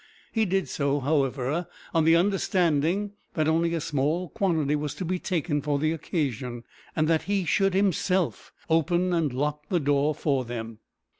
He did so, however, on the understanding that only a small quantity was to be taken for the occasion, and that he should himself open and lock the door for them.